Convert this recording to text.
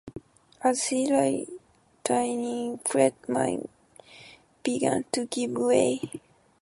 As she lies dying, Fred's mind begins to give way.